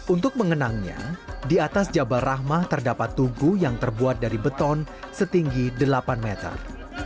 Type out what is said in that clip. untuk mengenangnya di atas jabal rahmah terdapat tugu yang terbuat dari beton setinggi delapan meter